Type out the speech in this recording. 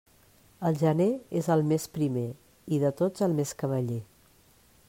El gener és el mes primer i de tots el més cavaller.